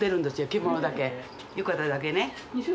着物だけ浴衣だけね。